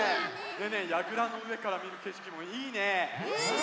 でねやぐらのうえからみるけしきもいいね！